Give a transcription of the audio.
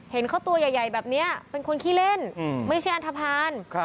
เห็นเขาตัวใหญ่แบบนี้เป็นคนขี้เล่นไม่ใช่อันทภาณ